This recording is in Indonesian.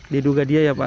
diduga dia ya pak